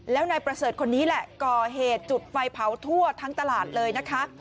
แล้วนายประเสริฐคนนี้แหละก่อเหตุจุดไฟเผาทั่วทั้งตลาดเลยนะคะ